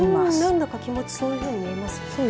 何だか気持ちそういううふうに見えますね。